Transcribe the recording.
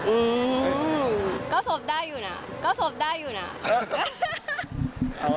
อุ่นเห็นอยู่กันไงพออีกครั้งนึงนะคะก็ซ่อฟได้อยู่นะ